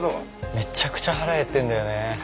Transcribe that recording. めちゃくちゃ腹減ってんだよね。